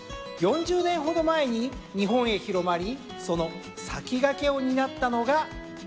４０年ほど前に日本へ広まりその先駆けを担ったのが三重県です。